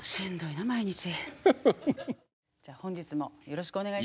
じゃあ本日もよろしくお願いいたします。